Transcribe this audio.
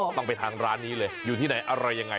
ต้องไปทานร้านนี้เลยอยู่ที่ไหนอะไรยังไง